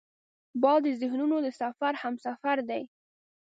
باد د ذهنونو د سفر همسفر دی